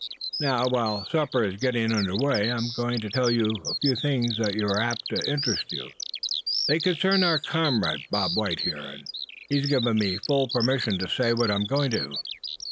Now, while supper is getting underway I'm going to tell you a few things that are apt to interest you some. They concern our comrade Bob White here, and he's given me full permission to say what I'm going to."